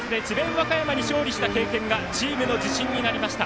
和歌山に勝利した経験がチームの自信になりました。